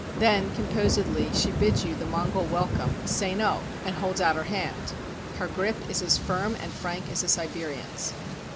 Then composedly she bids you the Mongol welcome, ^'Sein ok /" and holds out her hand. Her grip is as firm and frank as a Siberian's.